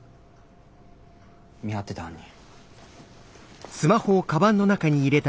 見張ってて犯人。